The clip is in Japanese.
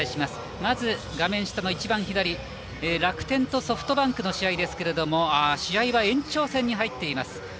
まず画面下のいちばん左楽天とソフトバンクの試合ですが試合は延長戦に入っています。